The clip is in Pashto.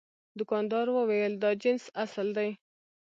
دوکاندار وویل دا جنس اصل دی.